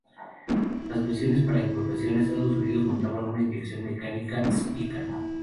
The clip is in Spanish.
Las versiones para importación a Estados Unidos montaban una inyección mecánica Spica.